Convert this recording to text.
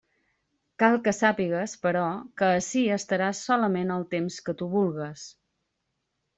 Cal que sàpigues, però, que ací estaràs solament el temps que tu vulgues.